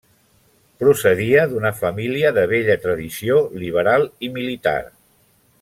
Procedia d'una família de vella tradició liberal i militar.